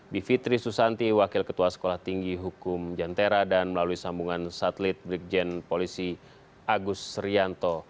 bivitri susanti wakil ketua sekolah tinggi hukum jantera dan melalui sambungan satelit brigjen polisi agus rianto